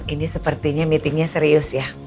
ini sepertinya meetingnya serius ya